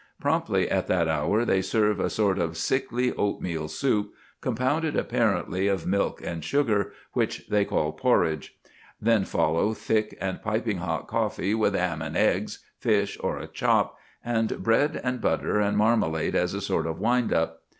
Promptly at that hour they serve a sort of sickly oatmeal soup, compounded apparently of milk and sugar, which they call porridge. Then follow thick and piping hot coffee with 'am and eggs, fish, or a chop, and bread and butter and marmalade as a sort of wind up.